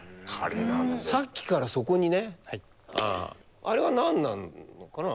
さっきからそこにねあれは何なのかな？